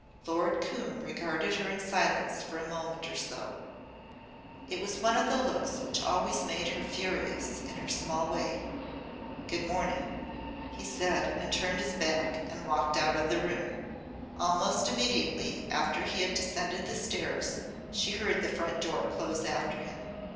Lord Coombe regarded her in silence for a moment or so. It was one of the looks which always made her furious in her small way. "Good morning," he said and turned his back and walked out of the room. Almost immediately after he had descended the stairs she heard the front door close after him.